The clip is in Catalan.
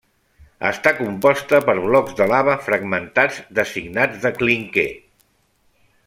Està composta per blocs de lava fragmentats designats de clínquer.